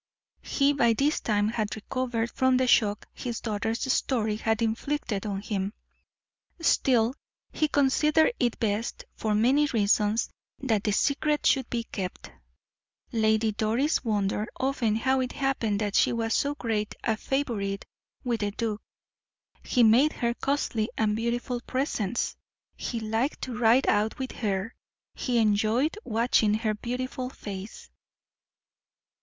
He by this time had recovered from the shock his daughter's story had inflicted on him; still, he considered it best, for many reasons, that the secret should be kept. Lady Doris wondered often how it happened that she was so great a favorite with the duke. He made her costly and beautiful presents; he liked to ride out with her; he enjoyed watching her beautiful face.